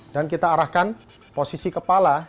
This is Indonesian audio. dan kita arahkan posisi kepala